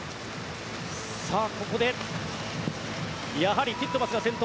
ここでやはりティットマスが先頭。